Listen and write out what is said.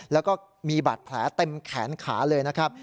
แล้วก็มีบาดแผลเต็มแขนขาเลยนะครับ